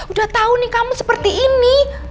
udah tahu nih kamu seperti ini